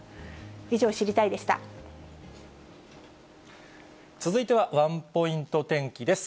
以上、続いてはワンポイント天気です。